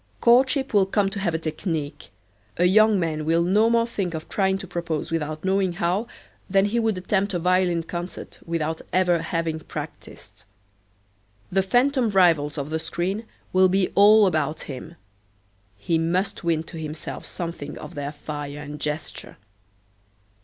Courtship will come to have a technique. A young man will no more think of trying to propose without knowing how than he would attempt a violin concert without ever having practiced. The phantom rivals of the screen will be all about him. He must win to himself something of their fire and gesture.